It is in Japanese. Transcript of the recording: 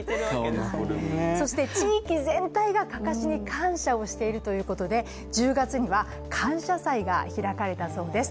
地域全体がかかしに感謝をしているということで、１０月には感謝祭が開かれたそうです。